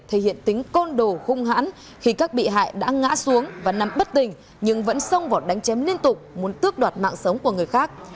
thể hiện tính côn đồ hung hãn khi các bị hại đã ngã xuống và nằm bất tình nhưng vẫn xông vào đánh chém liên tục muốn tước đoạt mạng sống của người khác